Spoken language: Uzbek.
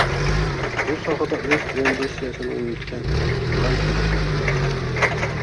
Bu sohada o'z tendentsiyasini o'rnatgan bank muvaffaqiyat qozonadi